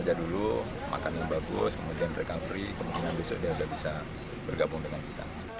setelah menempuh perjalanan puluhan jam dari inggris